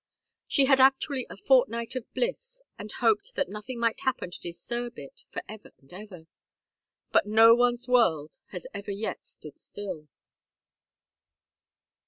She had actually a fortnight of bliss, and hoped that nothing might happen to disturb it for ever and ever. But no one's world has ever yet stood still.